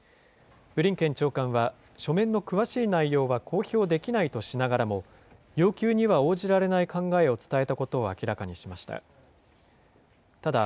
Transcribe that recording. ブリンケン長官は、書面の詳しい内容は公表できないとしながらも、要求には応じられない考えを伝えたことを明らかにしました。